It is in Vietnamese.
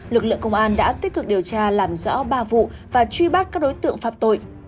lực lượng công an đã tích cực điều tra làm rõ ba vụ và truy bắt các đối tượng phạm tội